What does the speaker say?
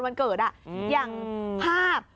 สวัสดีครับ